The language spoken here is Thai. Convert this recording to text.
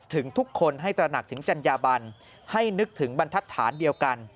ถึงทุกคนให้ตระหนักถึงจัญญาบันให้นึกถึงบรรทัศน์เดียวกัน